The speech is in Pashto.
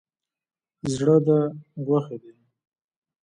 زړه ده غوښی دی